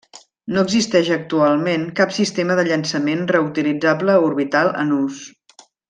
No existeix actualment cap sistema de llançament reutilitzable orbital en ús.